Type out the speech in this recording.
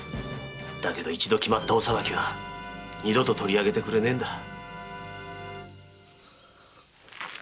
だけど一度決まったお裁きは二度と取上げてくれねえんだ。